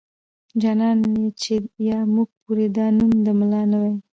جانانه چې يا موږ پورې دا نوم د ملا نه واي.